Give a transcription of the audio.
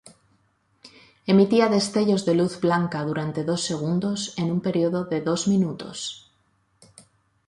Emitía destellos de luz blanca durante dos segundos en un periodo de dos minutos.